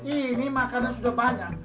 ini makanan sudah banyak